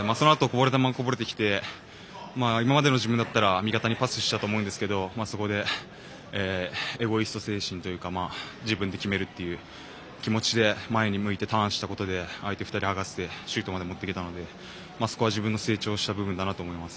こぼれ球こぼれてきて今までの自分だったら味方にパスしたと思うんですけどそこでエドイスト精神というか自分で決める精神でターンして相手２人はがしてシュートまでもっていけたので成長した部分かなと思います。